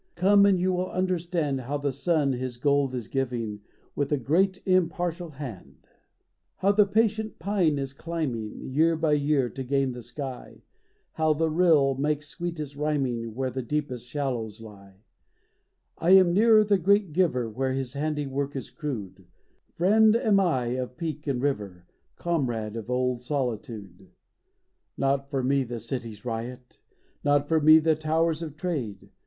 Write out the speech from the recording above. Come and 3^ou will understand How the sun his gold is giving With a great, impartial hand I THE SONG OF THE FOREST RANGER. 13 How the patient pine is climbing, Year by year to gain the sky ; How the rill makes sweetest rhyming, Where the deepest shadows lie. I am nearer the great Giver, Where His handiwork is crude ; Friend am I of peak and river, Comrade of old Solitude. Not for me the city's riot ! Not for me the towers of Trade